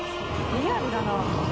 リアルだね。